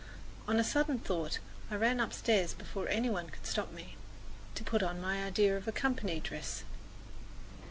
On a sudden thought I ran upstairs before any one could stop me, to put on my idea of a company dress.